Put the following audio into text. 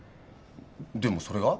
でもそれが？